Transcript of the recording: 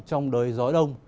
trong đời gió đông